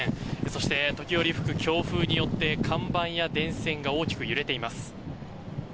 そして、時折吹く強風によって看板や電線が大きく揺れています。